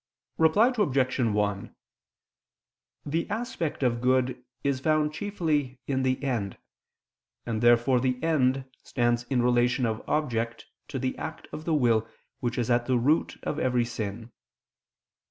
Reply Obj. 1: The aspect of good is found chiefly in the end: and therefore the end stands in the relation of object to the act of the will which is at the root of every sin.